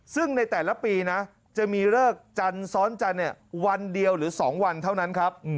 ซึ่งในแต่ละปีนะจะมีเลิกจันทร์ซ้อนจันทร์วันเดียวหรือ๒วันเท่านั้นครับ